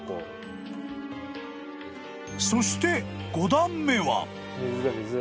［そして５段目は］